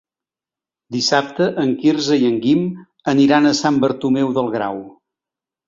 Dissabte en Quirze i en Guim aniran a Sant Bartomeu del Grau.